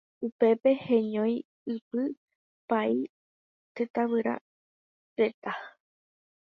Upépe heñoiʼypy Paĩ Tavyterã retã.